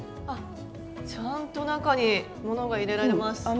あっちゃんと中にものが入れられます。